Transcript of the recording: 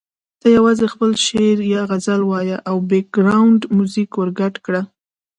ته یوازې خپل شعر یا غزل وایه او بېکګراونډ میوزیک ورګډ کړه.